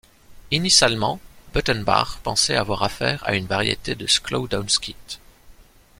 Initialement, Buttenbach pensait avoir affaire à une variété de sklodowskite.